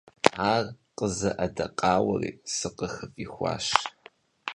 Ар къызэӀэдэкъауэри сыкъыхыфӀихуащ.